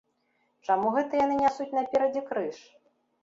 Чаму гэта яны нясуць наперадзе крыж?